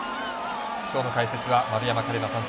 今日の解説は丸山桂里奈さん